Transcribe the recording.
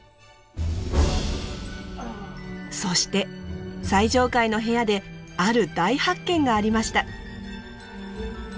そして最上階の部屋である大発見がありました。